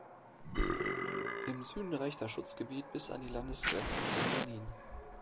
Im Süden reicht das Schutzgebiet bis an die Landesgrenze zum Benin.